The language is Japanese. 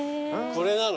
これなの？